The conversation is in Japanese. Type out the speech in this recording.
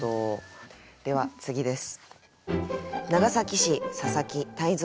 では次です。